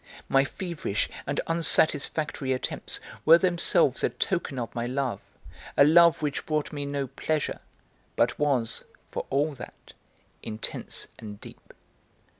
My feverish and unsatisfactory attempts were themselves a token of my love, a love which brought me no pleasure, but was, for all that, intense and deep.